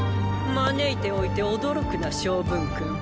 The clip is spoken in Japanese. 招いておいて驚くな昌文君。